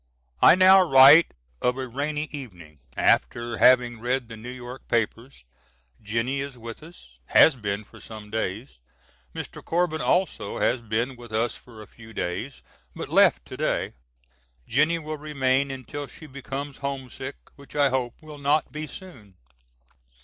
I now write of a rainy evening, after having read the New York papers. Jennie is with us, has been for some days. Mr. Corbin also has been with us for a few days but left to day. Jennie will remain until she becomes homesick which I hope will not be soon.